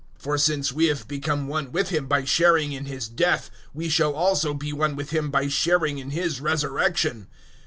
006:005 For since we have become one with Him by sharing in His death, we shall also be one with Him by sharing in His resurrection.